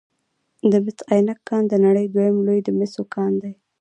د مس عینک کان د نړۍ دویم لوی د مسو کان دی